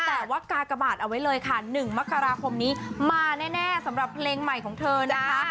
แต่ว่ากากบาทเอาไว้เลยค่ะ๑มกราคมนี้มาแน่สำหรับเพลงใหม่ของเธอนะคะ